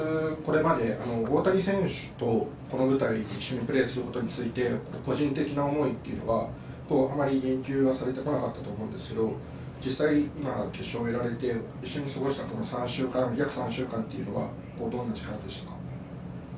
とにかくこのまま勝ちきらせてあげたいっていう、監督、これまで大谷選手とこの舞台で一緒にプレーすることについて、個人的な思いっていうのは、あんまり言及はされてこなかったと思うんですけど、実際、決勝やられて、一緒に過ごしたこの３週間、約３週間というのは、どんな時間でしたか。